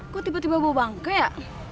kok tiba tiba gue bangke ya